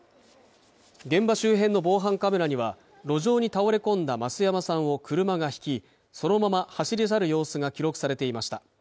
現場周辺の防犯カメラには路上に倒れ込んだ増山さんを車がひきそのまま走り去る様子が記録されていました